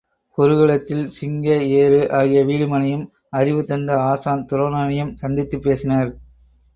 குருகுலத்தில் சிங்க ஏறு ஆகிய வீடுமனையும் அறிவு தந்த ஆசான் துரோணனையும் சந்தித்துப் பேசினர்.